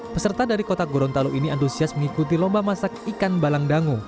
peserta dari kota gorontalo ini antusias mengikuti lomba masak ikan balangdangu